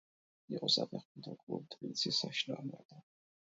იყო საფეხბურთო კლუბ „თბილისის“ საშინაო მოედანი.